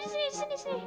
disini disini disini